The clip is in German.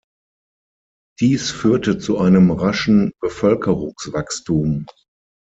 Dies führte zu einem raschen Bevölkerungswachstum.